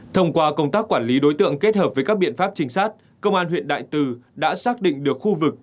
thông qua công tác quản lý đối tượng kết hợp với các biện pháp trinh sát công an huyện đại từ đã xác định được khu vực